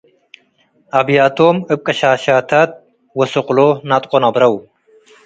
አብያቶም እብ ቅሻሻታት ወስቅሎ ነድቆ ነብረው ።